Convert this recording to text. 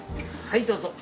はいどうぞ。